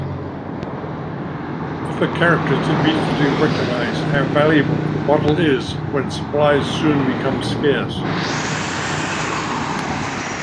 Other characters immediately recognise how valuable the bottle is when supplies soon become scarce.